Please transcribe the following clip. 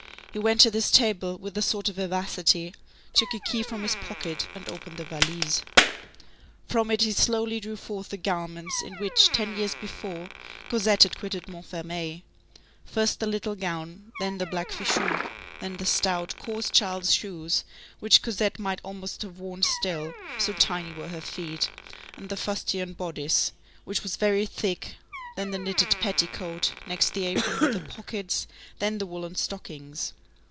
He went to this table with a sort of vivacity, took a key from his pocket, and opened the valise. From it he slowly drew forth the garments in which, ten years before, Cosette had quitted Montfermeil; first the little gown, then the black fichu, then the stout, coarse child's shoes which Cosette might almost have worn still, so tiny were her feet, then the fustian bodice, which was very thick, then the knitted petticoat, next the apron with pockets, then the woollen stockings.